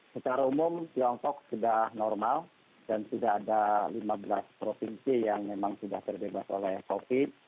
secara umum tiongkok sudah normal dan sudah ada lima belas provinsi yang memang sudah terbebas oleh covid